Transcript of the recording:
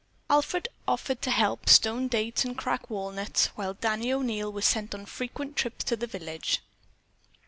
Alfred offered to help stone dates and crack walnuts, while Danny O'Neil was sent on frequent trips to the village.